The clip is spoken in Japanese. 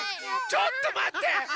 ちょっとまって！